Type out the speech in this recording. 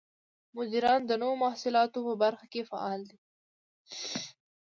مدیران د نوو محصولاتو په پرمختګ کې فعال دي.